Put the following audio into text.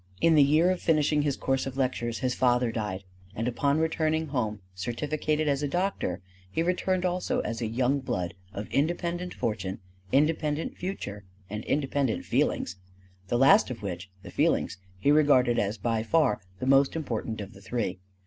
In the year of finishing his course of lectures his father died; and upon returning home certificated as a doctor, he returned also as a young blood of independent fortune, independent future, and independent Feelings the last of which, the Feelings, he regarded as by far the most important of the three.